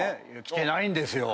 来てないんですよ。